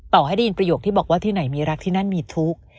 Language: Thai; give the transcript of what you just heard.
ต่อให้ได้ยินประโยคที่บอกว่าที่ไหนมีรักที่นั่นมีทุกข์